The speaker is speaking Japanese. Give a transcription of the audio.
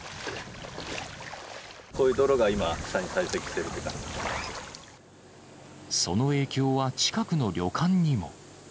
こういう泥が今、その影響は近くの旅館にも。